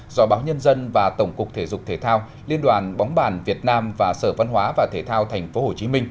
do báo nhân dân và tổng cục thể dục thể thao liên đoàn bóng bàn việt nam và sở văn hóa và thể thao tp hcm